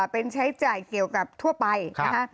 เป็นใช้จ่ายเกี่ยวกับทั่วไปนะคะ